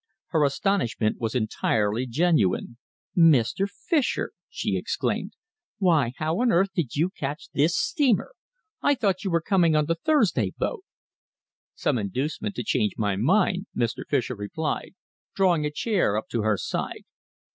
Her astonishment was entirely genuine. "Mr. Fischer!" she exclaimed. "Why, how on earth did you catch this steamer? I thought you were coming on the Thursday boat?" "Some inducement to change my mind," Mr. Fischer replied, drawing a chair up to her side.